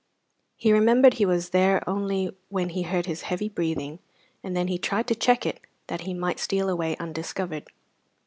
He remembered he was there only when he heard his heavy breathing, and then he tried to check it that he might steal away undiscovered.